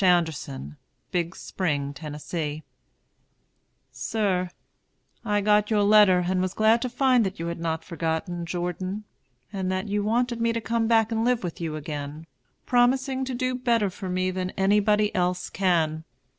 ANDERSON, Big Spring, Tennessee. Sir: I got your letter, and was glad to find that you had not forgotten Jourdon, and that you wanted me to come back and live with you again, promising to do better for me than anybody else can.